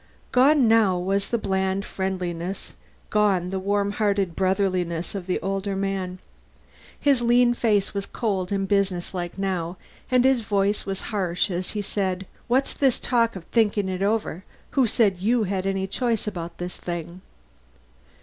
Gone now was the bland friendliness, gone the warm hearted brotherliness of the older man. His lean face was cold and businesslike now, and his voice was harsh as he said, "What's this talk of thinking it over? Who said you had any choice about this thing?"